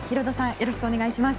よろしくお願いします。